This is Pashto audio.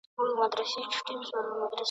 انګرېزان به د خپلي ماتي لامل لټوي.